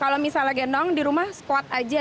kalau misalnya gendong di rumah squat aja